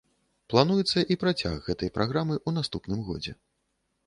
Плануецца і працяг гэтай праграмы ў наступным годзе.